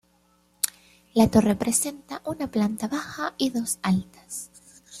La torre presenta una planta baja y dos altas.